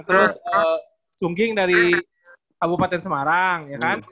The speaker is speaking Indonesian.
terus sungging dari kabupaten semarang